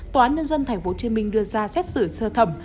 tòa án nhân dân tp hcm đưa ra xét xử sơ thẩm